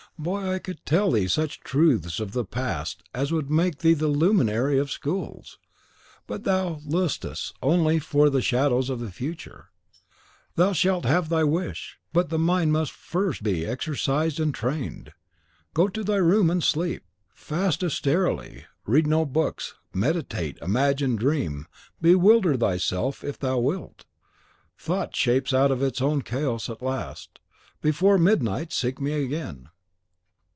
Boy, I could tell thee such truths of the past as would make thee the luminary of schools. But thou lustest only for the shadows of the future. Thou shalt have thy wish. But the mind must be first exercised and trained. Go to thy room, and sleep; fast austerely, read no books; meditate, imagine, dream, bewilder thyself if thou wilt. Thought shapes out its own chaos at last. Before midnight, seek me again!"